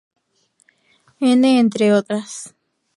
N., entre otras.